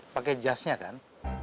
pake jasnya kan